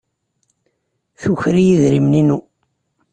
Tuker-iyi idrimen-inu.